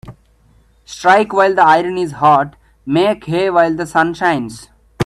Strike while the iron is hot Make hay while the sun shines